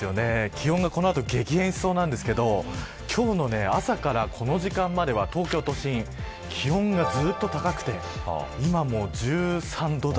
気温がこの後激変しそうなんですが今日の朝からこの時間までは東京都心気温がずっと高くて今も１３度台。